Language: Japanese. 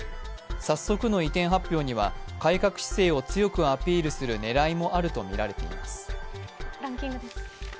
早速の移転発表には改革姿勢を強くアピールする狙いもあるとみられています。